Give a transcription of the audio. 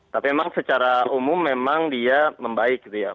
tapi memang secara umum memang dia membaik gitu ya